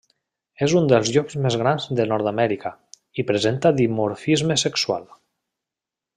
És un dels llops més grans de Nord-amèrica, i presenta dimorfisme sexual.